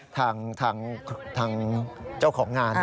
ทางเจ้าของงาน